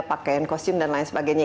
pakaian kosim dan lain sebagainya